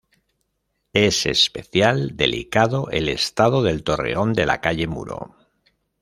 Es especial delicado el estado del Torreón de la calle Muro.